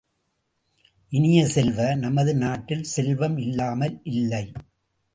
இனிய செல்வ, நமது நாட்டில் செல்வம் இல்லாமல் இல்லை.